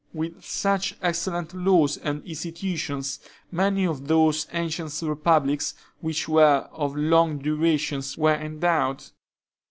With such excellent laws and institutions, many of those ancient republics, which were of long duration, were endowed.